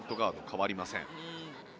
変わりません。